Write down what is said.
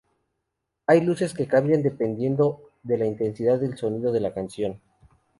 Hay luces que cambian dependiendo de la intensidad del sonido de la canción.